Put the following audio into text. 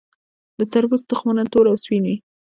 د تربوز تخمونه تور او سپین وي.